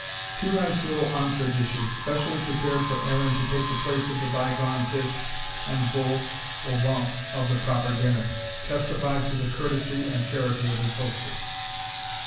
Two nice little entree dishes, specially prepared for Aaron to take the place of the bygone fish and vol au vents of the proper dinner, testified to the courtesy and charity of his hostess.